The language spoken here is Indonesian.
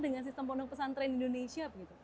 dengan sistem pondok pesantren indonesia begitu